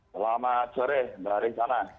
selamat sore mbak rizana